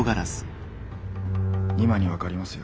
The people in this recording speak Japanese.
今に分かりますよ。